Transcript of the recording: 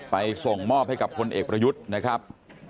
ส่งมอบให้กับคนเอกประยุทธ์นะครับ